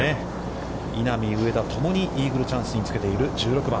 稲見、上田、ともにイーグルチャンスにつけている、１６番。